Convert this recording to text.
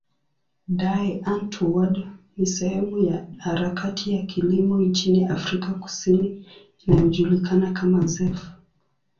Die Antwoord ni sehemu ya harakati ya kilimo nchini Afrika Kusini inayojulikana kama zef.